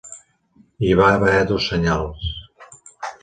Hi va haver dos senyals.